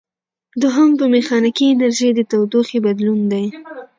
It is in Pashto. دوهم په میخانیکي انرژي د تودوخې بدلول دي.